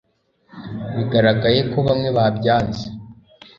bigaragaye ko bamwe babyanze